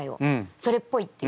それっぽいっていう。